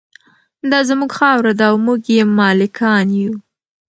دا زموږ خاوره ده او موږ یې مالکان یو.